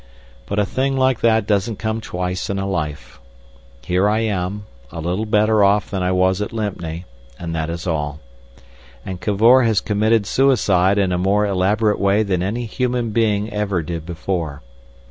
But a thing like that doesn't come twice in a life. Here I am, a little better off than I was at Lympne, and that is all. And Cavor has committed suicide in a more elaborate way than any human being ever did before.